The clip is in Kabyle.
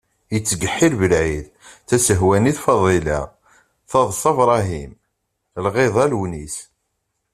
Yettkeḥḥil Belɛid, Tazehwanit Faḍila, Taḍsa Brahim, Lɣiḍa Lewnis.